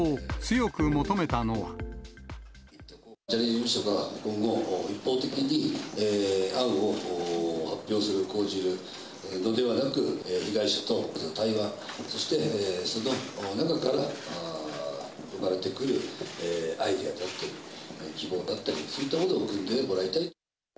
ジャニーズ事務所が今後、一方的に案を発表する、講じるのではなく、被害者と対話、そしてその中から生まれてくるアイデアだったり、希望だったり、そういったことをくんでもらいたい。